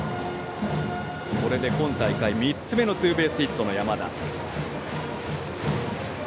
これで今大会３つ目のツーベースヒットの山田。